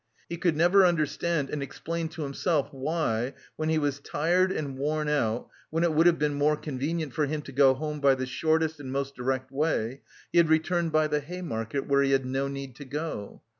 He could never understand and explain to himself why, when he was tired and worn out, when it would have been more convenient for him to go home by the shortest and most direct way, he had returned by the Hay Market where he had no need to go.